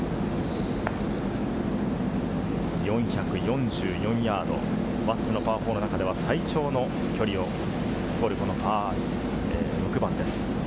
４４４ヤード、輪厚のパー４の中では最長の距離を誇るこの６番です。